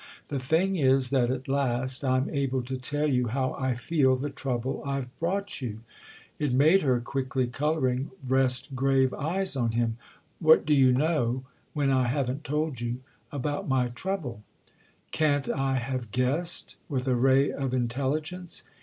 "The thing is that at last I'm able to tell you how I feel the trouble I've brought you." It made her, quickly colouring, rest grave eyes on him. "What do you know—when I haven't told you—about my 'trouble'?" "Can't I have guessed, with a ray of intelligence?"